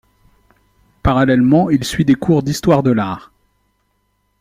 Parallèlement, il suit des cours d'histoire de l'art.